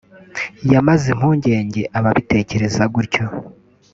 yamaze impungenge ababitekereza gutyo